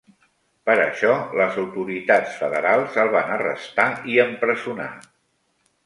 Per això, les autoritats federals el van arrestar i empresonar.